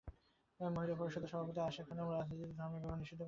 মহিলা পরিষদের সভাপতি আয়শা খানম রাজনীতিতে ধর্মের ব্যবহার নিষিদ্ধ করার পরামর্শ দেন।